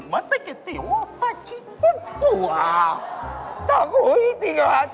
มากี่ตัว